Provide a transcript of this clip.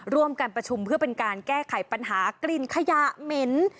ร่วมการประชุมเพื่อเป็นการแก้ไขปัญหากลิ่นขยะเหม็น